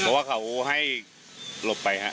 เพราะว่าเขาให้หลบไปครับ